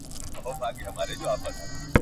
د اسمان په خوښه دلته اوسېده دي !.